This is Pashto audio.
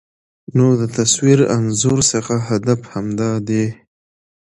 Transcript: نو د تصوير انځور څخه هدف همدا دى